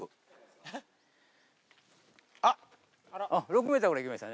あっ。